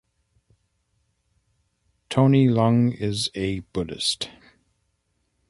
Tony Leung is a Buddhist.